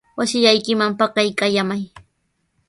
Wasillaykiman pakaykallamay.